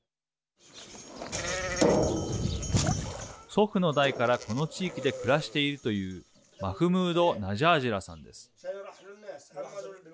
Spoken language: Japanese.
祖父の代からこの地域で暮らしているというマフムード・ナジャージラさんです。